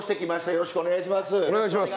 よろしくお願いします。